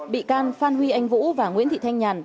bị can phan huy anh vũ và nguyễn thị thanh nhàn